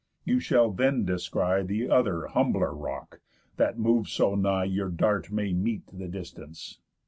You shall then descry The other humbler rock, that moves so nigh Your dart may mete the distance.